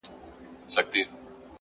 علم د پوهې رڼا خپروي!.